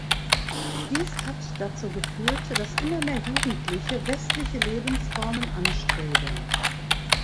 Dies hat dazu geführt, dass immer mehr Jugendliche westliche Lebensformen anstreben.